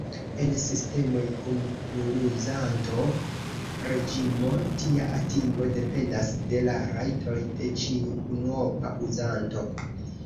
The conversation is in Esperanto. En sistemoj kun pluruzanto-reĝimo, tia atingo dependas de la rajtoj de ĉiu unuopa uzanto.